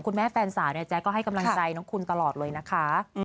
ตอนนี้ถ้าเราอยู่ด้วยกันยังมีความสุขกันก็โอเคแล้วนะครับ